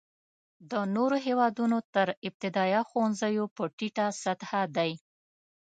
د نورو هېوادونو تر ابتدایه ښوونځیو په ټیټه سطحه دی.